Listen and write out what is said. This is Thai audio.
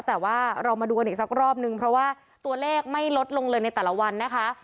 แต่ว่าเรามาดูกันอีกสักรอบนึงเพราะว่าตัวเลขไม่ลดลงเลยในแต่ละวันนะคะ